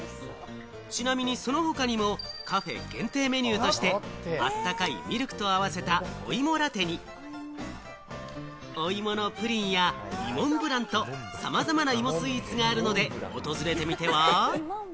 ちなみにその他にもカフェ限定メニューとして、温かいミルクと合わせたお芋ラテに、お芋のプリンや芋ンブランと、さまざまな芋スイーツがあるので、訪れてみては？